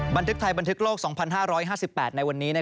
บันทึกไทยบันทึกโลก๒๕๕๘ในวันนี้